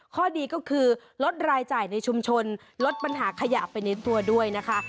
ข้อดีก็คือลดรายจ่ายในชุมชนลดปัญหาขยะไปในตัวด้วยนะคะ